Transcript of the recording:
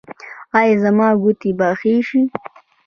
ایا زما ګوتې به ښې شي؟